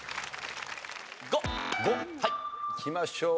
５！５。いきましょう。